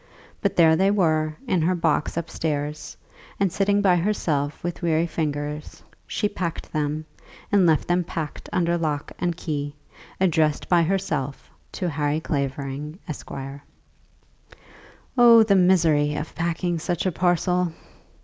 But there they were in her box upstairs, and sitting by herself, with weary fingers, she packed them, and left them packed under lock and key, addressed by herself to Harry Clavering, Esq. Oh, the misery of packing such a parcel!